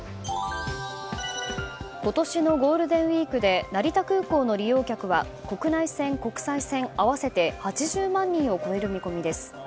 今年のゴールデンウィークで成田空港の利用客は国内線、国際線合わせて８０万人を超える見込みです。